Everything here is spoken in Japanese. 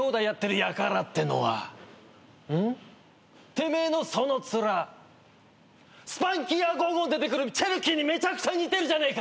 てめえのその面『スパンキーアゴーゴー』に出てくるチェルキーにめちゃくちゃ似てるじゃねえか！